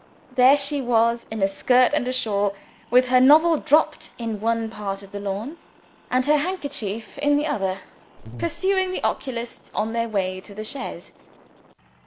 There she was, in a skirt and a shawl with her novel dropped in one part of the lawn, and her handkerchief in the other pursuing the oculists on their way to the chaise.